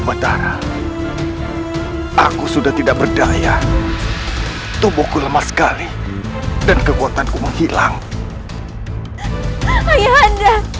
madara aku sudah tidak berdaya tubuhku lemah sekali dan kekuatanku menghilang ayah anda